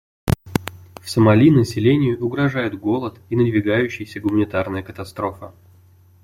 В Сомали населению угрожают голод и надвигающаяся гуманитарная катастрофа.